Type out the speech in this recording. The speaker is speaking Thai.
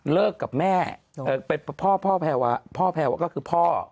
เลิกกับแม่เป็นพ่อแพรวาก็คือพ่อ